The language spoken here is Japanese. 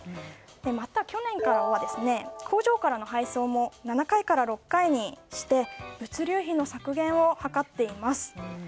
また、去年からは工場からの配送も７回から６回にして物流費の削減を図っています。